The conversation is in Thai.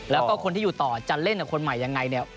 แล้วก็คนที่อยู่ต่อจะเล่นกับคนใหม่ยังไงเนี่ย